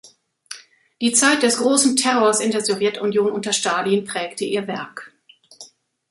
Die Zeit des Großen Terrors in der Sowjetunion unter Stalin prägte ihr Werk.